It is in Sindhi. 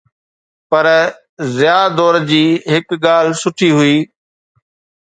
پر ضياءَ دور جي هڪ ڳالهه سٺي هئي.